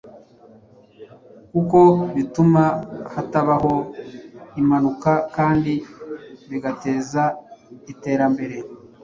kuko bituma hatabaho impanuka kandi bigateza iterambere